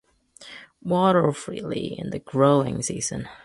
Water freely in the growing season.